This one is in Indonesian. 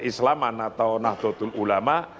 islam atau nakutul ulama